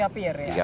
tiga pier ya